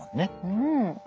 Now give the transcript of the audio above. うん。